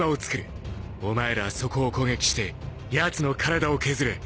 お前らはそこを攻撃してやつの体を削れ。